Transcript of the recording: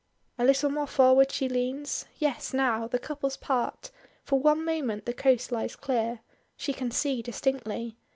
A little more forward she leans; yes, now the couples part for one moment the coast lies clear. She can see distinctly.